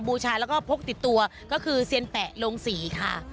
บูชาแล้วก็พกติดตัวก็คือเซียนแปะโรงศรีค่ะ